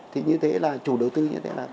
thì như thế là chủ đầu tư như thế nào